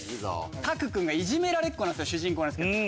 拓君がいじめられっ子主人公なんですけど。